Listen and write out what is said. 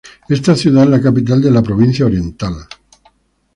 Esta ciudad es la capital de la provincia Oriental.